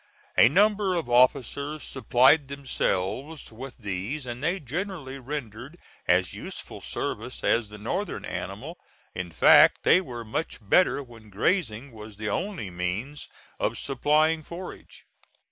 A number of officers supplied themselves with these, and they generally rendered as useful service as the northern animal in fact they were much better when grazing was the only means of supplying forage.